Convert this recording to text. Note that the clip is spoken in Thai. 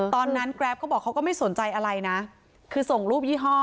ตอนนั้นกราฟก็บอกเขาก็ไม่สนใจอะไรนะคือส่งรูปยี่ห้อ